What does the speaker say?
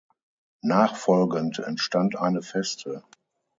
Nachfolgend entstand eine Feste.